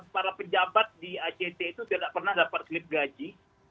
para pejabat di act itu tidak pernah dapat slip gaji